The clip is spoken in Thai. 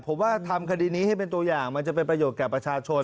ผมว่าทำคดีนี้ให้เป็นตัวอย่างมันจะเป็นประโยชน์แก่ประชาชน